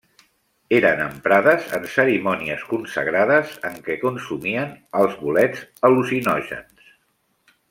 Eren emprades en cerimònies consagrades en què consumien els bolets al·lucinògens.